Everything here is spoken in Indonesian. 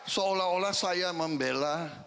seolah olah saya membela